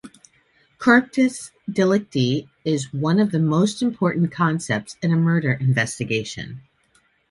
"Corpus delicti" is one of the most important concepts in a murder investigation.